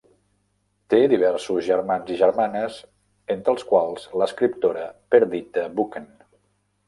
Té diversos germans i germanes, entre els quals l'escriptora Perdita Buchan.